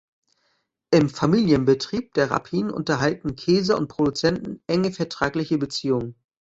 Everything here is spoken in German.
Im Familienbetrieb der Rapin unterhalten Käser und Produzenten enge vertragliche Beziehungen.